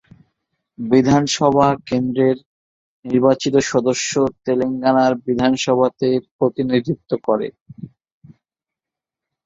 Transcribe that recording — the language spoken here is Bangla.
বিধানসভা কেন্দ্রের নির্বাচিত সদস্য তেলেঙ্গানার বিধানসভাতে প্রতিনিধিত্ব করে।